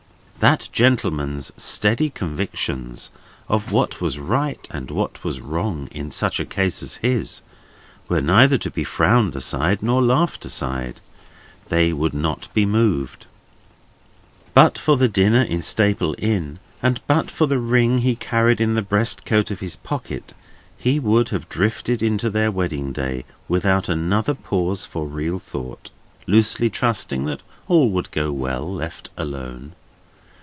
That gentleman's steady convictions of what was right and what was wrong in such a case as his, were neither to be frowned aside nor laughed aside. They would not be moved. But for the dinner in Staple Inn, and but for the ring he carried in the breast pocket of his coat, he would have drifted into their wedding day without another pause for real thought, loosely trusting that all would go well, left alone.